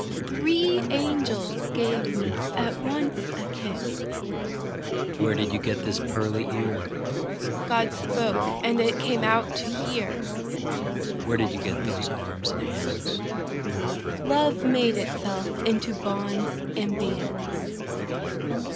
Three angels gave me at once a kiss. Where did you get this pearly ear? God spoke, and it came out to hear. Where did you get those arms and hands? Love made itself into bonds and bands.